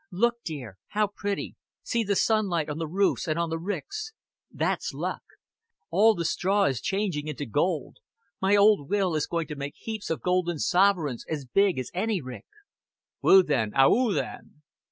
"Look, dear. How pretty see the sunlight on the roofs and on the ricks. That's luck. All the straw is changing into gold. My old Will is going to make heaps of golden sovereigns as big as any rick." "Woo then. A oo then."